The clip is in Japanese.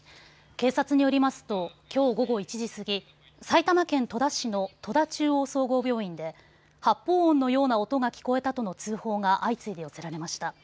警察によりますときょう午後１時過ぎ埼玉県戸田市の戸田中央総合病院で発砲音のような音が聞こえたとの通報が相次いで寄せられました。